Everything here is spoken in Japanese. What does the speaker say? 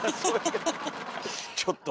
ちょっと！